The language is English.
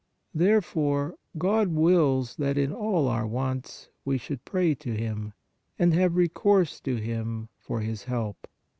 Therefore, God wills that in all our wants we should pray to Him, and have re course to Him for His help.